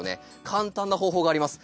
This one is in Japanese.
簡単な方法があります。